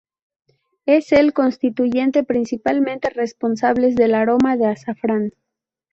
Es el constituyente principalmente responsables del aroma de azafrán.